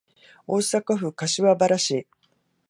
大阪府柏原市